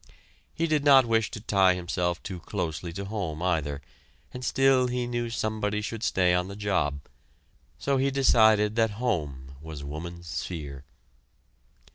He did not wish to tie himself too closely to home either and still he knew somebody should stay on the job, so he decided that home was woman's sphere.